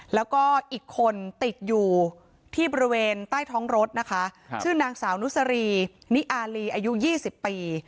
แล้วก็อีกคนติดอยู่ที่บริเวณใต้ท้องรถนะคะชื่อนางสาวนุสรีนิอารีอายุ๒๐ปี